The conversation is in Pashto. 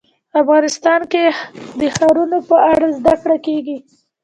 افغانستان کې د ښارونه په اړه زده کړه کېږي.